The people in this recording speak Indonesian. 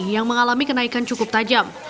yang mengalami kenaikan cukup tajam